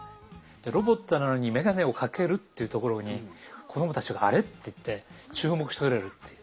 でロボットなのに眼鏡をかけるっていうところに子どもたちが「あれ？」って言って注目してくれるっていう。